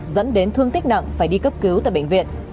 dẫn đến thương tích nặng phải đi cấp cứu tại bệnh viện